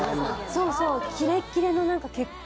そうそう。